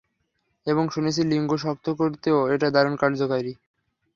এবং শুনেছি লিঙ্গ শক্ত করতেও এটা দারুণ কার্যকরী।